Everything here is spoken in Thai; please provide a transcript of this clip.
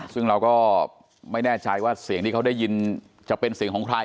ซึ่งเราก็ไม่แน่ใจว่าเสียงที่เขาได้ยินจะเป็นเสียงของใคร